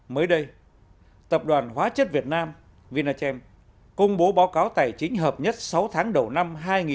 mới đây tập đoàn hóa chất việt nam vinachem công bố báo cáo tài chính hợp nhất sáu tháng đầu năm hai nghìn một mươi chín